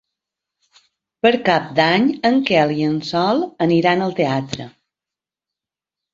Per Cap d'Any en Quel i en Sol aniran al teatre.